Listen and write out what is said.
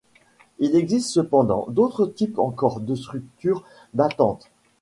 Il existe cependant d'autres types encore de structures d'actance.